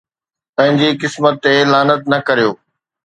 پنهنجي قسمت تي لعنت نه ڪريو